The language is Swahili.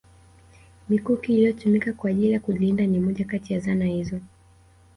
Mikuki iliyotumika kwa ajili ya kujilinda ni moja Kati ya zana hizo